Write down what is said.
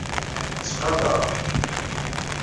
Ttqadareɣ-k.